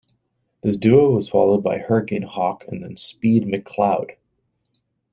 This duo was followed by Hurricane Hawk and then Speed McCloud.